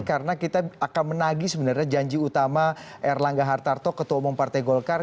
karena kita akan menagi sebenarnya janji utama erlangga hartarto ketua umum partai golkar